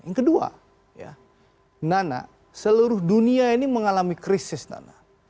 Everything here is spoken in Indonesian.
yang kedua nona seluruh dunia ini mengalami krisis nona